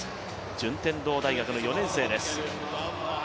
順天堂大学の４年生です。